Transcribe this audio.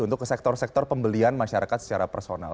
untuk sektor sektor pembelian masyarakat secara personal